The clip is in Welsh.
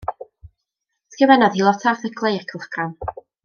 Sgrifennodd hi lot o erthyglau i'r cylchgrawn.